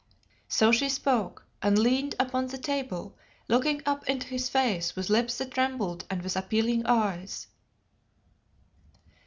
So she spoke, and leaned upon the table, looking up into his face with lips that trembled and with appealing eyes.